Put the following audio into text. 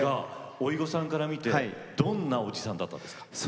おいごさんから見てどんなおじさんだったんですか？